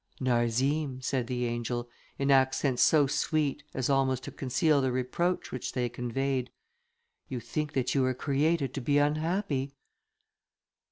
"Narzim," said the angel, in accents so sweet, as almost to conceal the reproach which they conveyed, "you think that you were created to be unhappy."